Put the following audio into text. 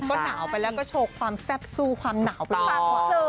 ก็หนาวไปแล้วก็โชคความแซ่บสู้ความหนาวไปแล้ว